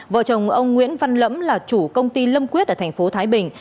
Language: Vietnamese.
vợ chồng ông nguyễn văn lẫm là chủ công ty lâm quyết ở tp thái bình